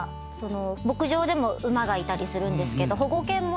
牧場でも馬がいたりするんですけど。